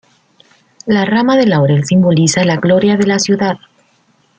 La rama de laurel simboliza la gloria de la ciudad.